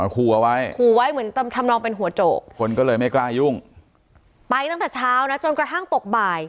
คู่เอาไว้เหมือนทำน้องเป็นหัวโจกไปตั้งแต่เช้าจนกระทั่งตกบ่าย